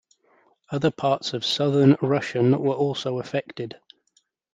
Other parts of Southern Russian were also affected.